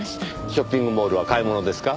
ショッピングモールは買い物ですか？